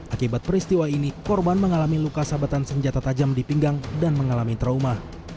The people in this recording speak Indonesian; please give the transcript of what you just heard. akibat peristiwa ini korban mengalami luka sabetan senjata tajam di pinggang dan mengalami trauma